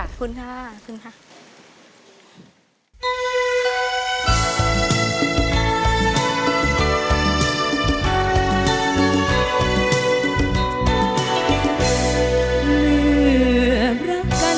ขอบคุณค่ะ